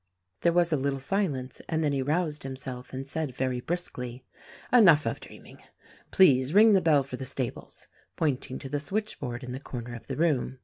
There was a little silence and then he roused himself and said, very briskly, "Enough of dreaming! Please ring the bell for the stables" — pointing to the switchboard in the corner of the room.